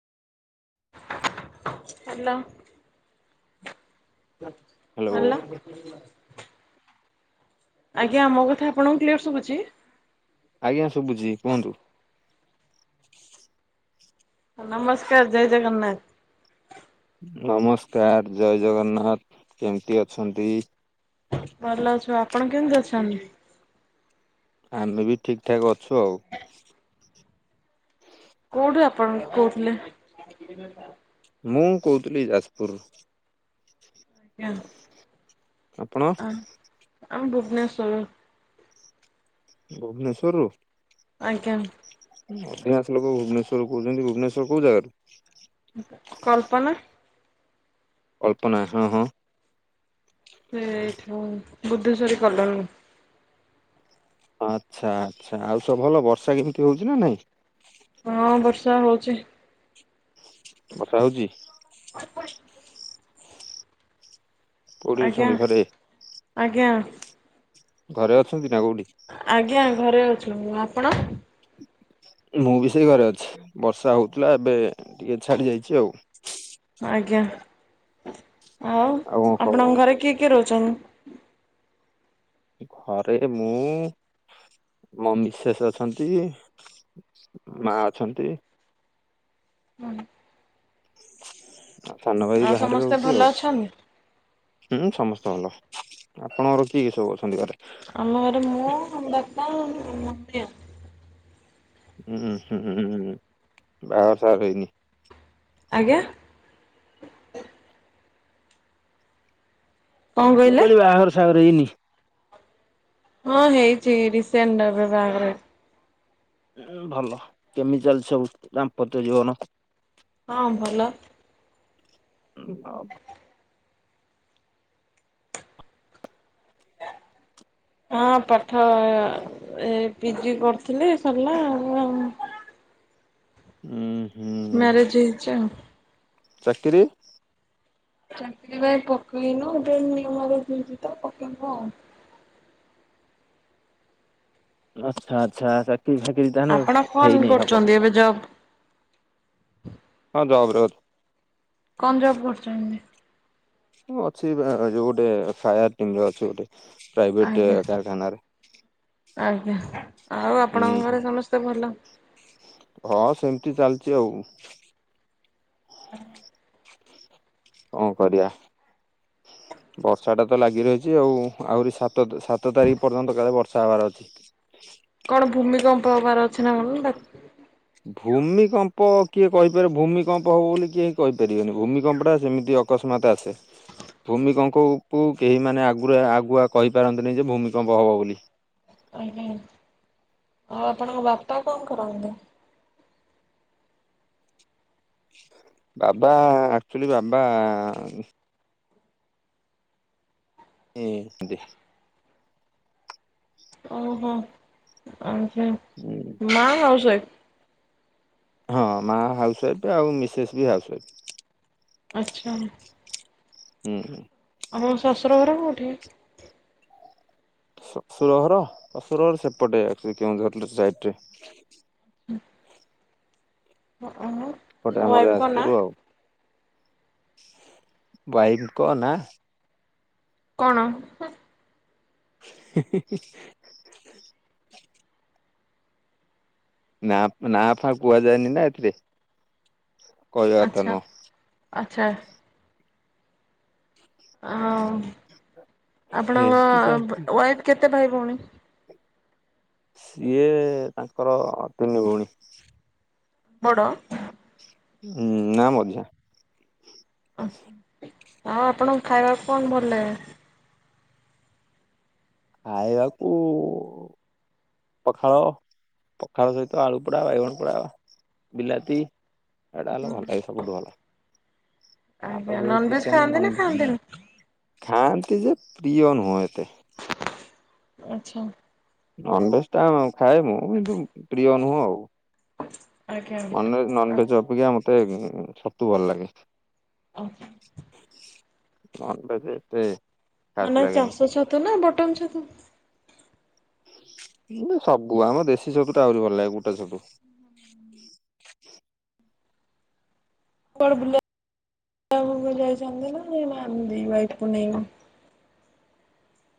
Hello hello hello. ଆଜ୍ଞା ମୋ କଥା ଆପଣଙ୍କୁ କ୍ଲିୟର ସୂବୁଚି। ଆଜ୍ଞା ଶୁଭୁଚି କୁହନ୍ତୁ। ନମସ୍କାର ଜୟ ଜଗନ୍ନାଥ। ନମସ୍କାର ଜୟ ଜଗନ୍ନାଥ କେମିତି ଅଛନ୍ତି? ଭଲ ଅଛୁ ଆପଣ କେମିତି ଅଛନ୍ତି? ଆମେ ବି ଠିକ ଠାକ୍ ଅଛୁ ଆଉ। କୋଉଠୁ ଆପଣ କୋହୁଥିଲେ। ମୁଁ କହୁଥିଲି ଯାଜପୁରରୁ। ଆଜ୍ଞା ଆପଣ? ଆଁ ଆ ମୁଁ ଭୁବନେଶ୍ଵରୁ। ଭୁବନେଶ୍ଵରୁ। ଆଜ୍ଞା। ଅଧିକଂଶ ଲୋକ ଭୁବନେଶ୍ଵର କହୁଚନ୍ତି ଭୁବନେଶ୍ଵର କୋଉ ଜାଗାରୁ। କଳ୍ପନା। କଳ୍ପନା ହଁ, ହଁ ଏ ଠ-ବୁଦ୍ଧେଶ୍ଵରୀ କଲୋନୀ। ଆଚ୍ଛା, ଆଚ୍ଛା ଆଉ ସବୁ ଭଲ ବର୍ଷା କେମିତି ହଉଛି ନା ନାଇଁ ହଁ ବର୍ଷା ହଉଛି। ବର୍ଷା ହଉଛି। ଅଳ୍ପ ଅଳ୍ପ କୋଉଠି ଆଜ୍ଞା, ଅଛନ୍ତି ଘରେ ଆଜ୍ଞା। ଘରେ ଅଛନ୍ତି ନା କୋଉଠି? ଆଜ୍ଞା ଘରେ ଅଛୁ, ଆପଣ? ମୁଁ ବି ସେଇ ଘରେ ଅଛି, ବର୍ଷା ହଉଥିଲା ଏବେ ଟିକେ ଛାଡି ଯାଇଛି ଆଉ। ଆଜ୍ଞା, ଆଉ କଣ ଖବର? ଆପଣଙ୍କ ଘରେ କିଏ କିଏ ରହୁଛନ୍ତି? ଘରେ ମୁଁ ମୋ ମିସେସ୍ ଅଛନ୍ତି। ମା ଅଛନ୍ତି। ହଁ। ଆଉ ସାନ ଭାଇ ଆଉ ବାହାରେ ସମସ୍ତେ ରହୁଛି ଭଲ ଆଉ। ଅଛନ୍ତି ହୁଁ ସମସ୍ତେ ଭଲ, ଆପଣଙ୍କର କିଏ ସବୁ ଅଛନ୍ତି ଘରେ? ଆମ ଘରେ ମୁଁ, ମୋ ବାପା [unintelligible] ଉଁ, ହୁଁଁ ବାଆ ସାଆ ହେଇନି। ଆଜ୍ଞା। କଣ ମୁଁ କହିଲେ? କହିଲି ବାଆଘର ସାହାଘର ହେଇନି? ହଁ ହେଇଛି ରିସେଣ୍ଟ ଏବେ ବାହାଘର। ଉଁ, ଭଲ କେମିତି ଚାଲିଛି ସବୁ ଦାମ୍ପତ୍ୟ ଜୀବନ? ହଁ ଭଲ। ଉଁ, [unintelligible] ହଁ ପାଠ ଏ ପିଜି କରିଥିଲି ସରିଲା ଆଉ, ଆଉ। ଉଁ, ହୁଁ। ମ୍ୟାରଜ୍ ହେଇଛି ଆଉ। ଚାକିରି? ଚାକିରି ପାଇଁ ପକେଇନୁ ଏବେ ନିୟମ ଏବେ ଚିନଚି ତ ପକେଇବୁ ଆଉ। ଆଚ୍ଛା, ଆଚ୍ଛା, ଆଚ୍ଛା, କି ଚାକିରି ତାହେନେ ଆପଣ କଣ ହେଇନି ହବ। କରୁଛନ୍ତି ଏବେ ଜବ୍? ହଁ ଜବ୍ ରେ ଅଛି। କନ ଜବ୍ କରୁଛନ୍ତି? ମୁଁ ଅଛି ଯୋଉ ଏଁ, ଗୋଟେ ଫାୟାର୍ ଟିମ୍ ରେ ଅଛି ଗୋଟେ। ପ୍ରାଇଭେଟ ଆଜ୍ଞା, କାରଖାନାରେ ଆଜ୍ଞା ଆଉ ଆପଣଙ୍କ ହୁଁ ଘରେ ସମସ୍ତେ ଭଲ? ହଁ ସେମିତି ଚାଲିଚି ଆଉ। ହଁ। ହ କଣ କରିବା? ହ ବର୍ଷାଟା ତ ଲାଗି ରହିଛି ଆଉ, ଆହୁରି ସାତ ସାତ ତାରିଖ ପର୍ଯ୍ୟନ୍ତ କାଳେ ବର୍ଷା ହବାର ଅଛି। କଣ ଭୂମିକମ୍ପ ହବାର ଅଛି ନା କଣ କି ଡା ଭୂମିକମ୍ପ କିଏ କହିପାରିବ, ଭୂମିକମ୍ପ ହବ ବୋଲି କିଏ କହିପାରିବେନି, ଭୂମିକମ୍ପଟା ସେମିତି ଅ କସ୍ମାତ ଆସେ। ଭୂମିକଙ୍କକୁୁ କେହି ମାନେ ଆଗୁରା ଆଗୁଆ କହିପାରନ୍ତିନି ଯେ ଭୂମିକମ୍ପ ହବ ବୋଲି। ଆଜ୍ଞା, ଆଉ ଆପଣଙ୍କ ବାପା କଣ କରନ୍ତି? ବାବା ଆକ୍ଚୁଲି ବାବା ହଁ ଦେ ଓହୋ ମା ଆଉଛ ହଁ ମା ହାଉସୱାଇଫ୍ ଆଉ ମିସେସ୍ ବି ହାଉସ ୱାଇଫ୍ ଆଚ୍ଛା। ହୁଁ ହୁଁ। ଆମ ଶଶୁର ଘର କୋଉଠି। ସସୁର ଘର ସସୁରହର ସେପଟେ କେଉଁଝର ସାଇଟରେ। ହୁଁ। [inaudible] ଗୋଟେ ଆମର ଙ୍କ ନାଁ ଯାଜପୁର ଆଉ ୱାଇଫଙ୍କ ନା। କଣ। ହିଁ ହିଁ ହିଁ। ନା ନା ଫା କୁହାଯାଏନି ନା ଏଥିରେ। କହିବା କଥା ଆଚ୍ଛା ନୁହଁ ଆଚ୍ଛା। ଆଉ ଆପଣଙ୍କ ଏମିତି ଚାଲିଛି। ୱାଇଫ କେତେ ଭାଇ ଭଉଣୀ। ସିଏ ତାଙ୍କର ତିନି ଭଉଣୀ। ବଡ଼। ହୁଁ ନା ମଝିଇଁଆ। ଆଛ ଆଉ ଆପଣଙ୍କ ଖାଇବାକୁ କଣ ଭଲ ଲାଗେ। ଖାଇବାକୁ। ପଖାଳ ପଖାଳ ସହିତ ଆଳୁ ପୋଡା ବାଇଗଣ ପୋଡା। ବିଲାତି ଏଇଟାଲ ଭଲ ଏ ସବୁଠୁ ଭଲ। ଆଉ ଆଜ୍ଞା ନନଭେଜ୍ ଚିକେନ ଖାଆନ୍ତି ନା ନ ଖାଆନ୍ତିନି? ଖାଆନ୍ତି ଯେ ପ୍ରିୟ ନୁହଁ ଏତେ। ଆଛା। ନନଭେଜ ଟା ଖାଏ ମୁଁ କିନ୍ତୁ ପ୍ରିୟ ନୁହଁ ଆଉ। ଆଜ୍ଞା ନେଜ ନନଭେଜ ଅପେକ୍ଷା ମତେ ଛତୁ ଭଲ ଲାଗେ। ଓଃ। [inaudible] ଖାସ ମାନେ ଲାଗେନି। ଚାଷ ଛତୁ ନା ବଟନ ଛତୁ। ମୁଁ ସବୁ ଆମ ଦେଶୀ ସବୁ ତ ଆହୁରି ଭଲ ଲାଗେ ବୁଟା ଛତୁ। କୁଆଡେ ବୁଲିବାକୁ ଯାଇଥାନ୍ତି ଦି ଭାଇ କୁ ନେଇକି।